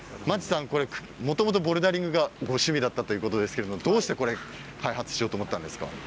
もともとボルダリングがご趣味だったということですがどうして、これを開発しようと思ったんですか。